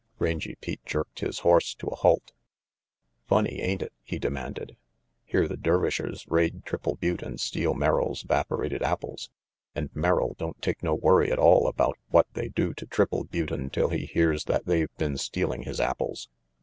Rangy Pete jerked his horse to a halt. "Funny, ain't it?" he demanded. "Here the Dervishers raid Triple Butte and steal Merrill's 'vaporated apples, and Merrill don't take no worry at all about what they do to Triple Butte until he hears that they've been stealing his apples.